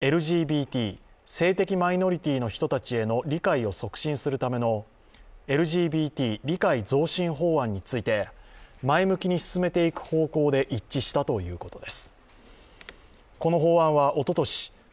関係者によりますと、ＬＧＢＴ＝性的マイノリティーの人たちへの理解を促進するためのＬＧＢＴ理解増進法案について前向きに進めていく方向で一致したということです。